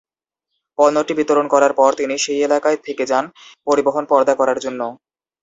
পণ্যটি বিতরণ করার পর, তিনি সেই এলাকায় থেকে যান পরিবহন পর্দা করার জন্য।